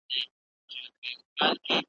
په فریاد سوه په نارو سوه په غوغا سوه .